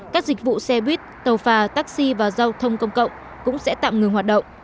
các dịch vụ xe buýt tàu phà taxi và giao thông công cộng cũng sẽ tạm ngừng hoạt động